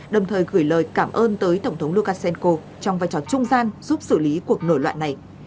đồng thời gửi lời cảm ơn tới tổng thống lukashenko trong vai trò trung gian giúp xử lý cuộc nổi loạn này